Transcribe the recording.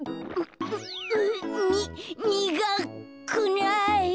ににがくない。